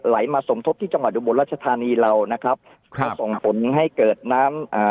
มาสมทบที่จังหวัดอุบลรัชธานีเรานะครับครับก็ส่งผลให้เกิดน้ำอ่า